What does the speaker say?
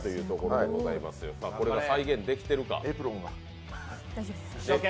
これが再現できてるか。